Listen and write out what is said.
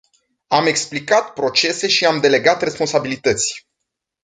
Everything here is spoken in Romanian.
Am explicat procese și am delegat responsabilități.